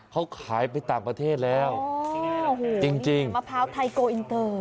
เขาขายไปต่างประเทศแล้วจริงมะพร้าวไทยโกอินเตอร์